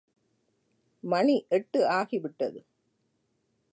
மணி எட்டு ஆகிவிட்டது.